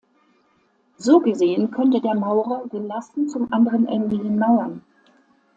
So gesehen könnte der Maurer gelassen zum anderen Ende hin mauern.